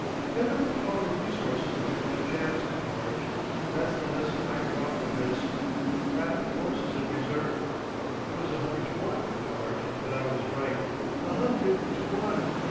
"Never put all your resources into one chance, George; that's the lesson I draw from this. Have forces in reserve. It was a hundred to one, George, that I was right—a hundred to one.